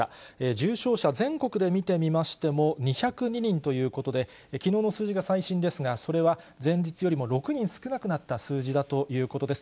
重症者、全国で見てみましても２０２人ということで、きのうの数字が最新ですが、それは前日よりも６人少なくなった数字だということです。